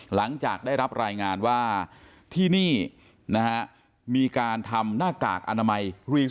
หลังจากได้รับรายงานว่าที่นี่นะฮะมีการทำหน้ากากอนามัยรีม